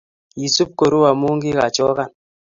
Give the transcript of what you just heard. Kisub kuru amo kikachokan.